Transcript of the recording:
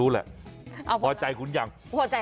ยืนยันว่าม่อข้าวมาแกงลิงทั้งสองชนิด